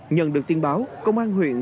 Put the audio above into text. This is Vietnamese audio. nhận được tin báo công an huyện